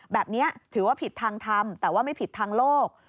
แบบนี้ถือว่าผิดทางทำแต่ว่าไม่ผิดทางโลก